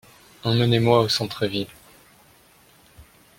Emmenez-moi au centre-ville.